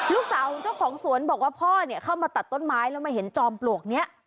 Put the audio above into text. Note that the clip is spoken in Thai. ลูกสาวของเจ้าของสวนบอกว่าพ่อเนี่ยเข้ามาตัดต้นไม้แล้วมาเห็นจอมปลวกนี้